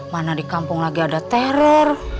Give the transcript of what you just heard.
mana di kampung lagi ada teror